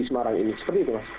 semarang ini seperti itu mas